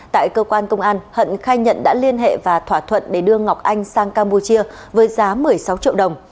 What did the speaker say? tại cơ quan công an hận khai nhận đã liên hệ và thỏa thuận để đưa ngọc anh sang campuchia với giá một mươi sáu triệu đồng